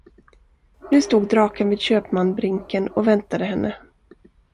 Nu stod draken vid Köpmanbrinken och väntade henne.